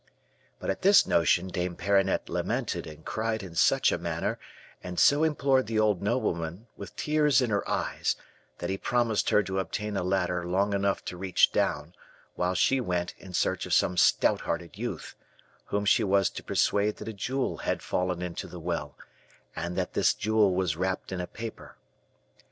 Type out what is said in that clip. "But at this notion Dame Perronnette lamented and cried in such a manner, and so implored the old nobleman, with tears in her eyes, that he promised her to obtain a ladder long enough to reach down, while she went in search of some stout hearted youth, whom she was to persuade that a jewel had fallen into the well, and that this jewel was wrapped in a paper.